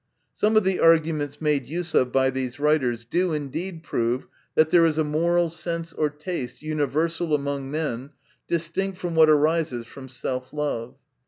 Some of the argu ments made use of by these writers, do indeed prove that there is a moral sense or taste, universal among men, distinct from what arises from self love.